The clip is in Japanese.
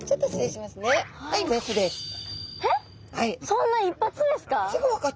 そんな一発ですか？